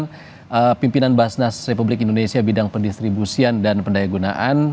dengan pimpinan basnas republik indonesia bidang pendistribusian dan pendaya gunaan